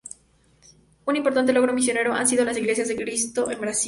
Un importante logro misionero han sido las Iglesias de Cristo en Brasil.